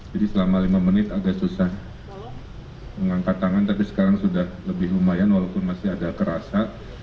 jadi selama lima menit agak susah mengangkat tangan tapi sekarang sudah lebih lumayan walaupun masih ada kerasa